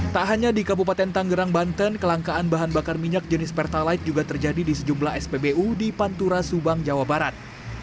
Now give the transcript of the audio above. tak hanya di kabupaten tanggerang banten kelangkaan bahan bakar minyak jenis pertalite juga terjadi di sejumlah spbu di pantura subang jawa barat